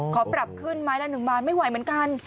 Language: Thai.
ขอปรับขึ้นไม้ละ๑บาทไม่ไหวเหมือนกัน